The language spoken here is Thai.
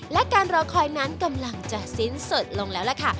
และการรอคอยนั้นกำลังจะสิ้นสุดลงแล้วล่ะค่ะ